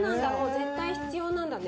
絶対必要なんだね